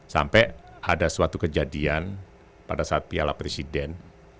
sampai ada suatu kejadian pada saat piala presiden